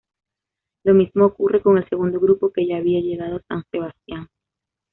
Lo mismo ocurre con el segundo grupo que ya había llegado a San Sebastián.